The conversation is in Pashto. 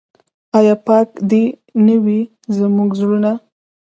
آیا پاک دې نه وي زموږ زړونه؟